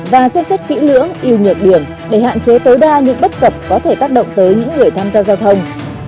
và xem xét kỹ lưỡng yêu nhược điểm để hạn chế tối đa những bất cập có thể tác động tới những người tham gia giao thông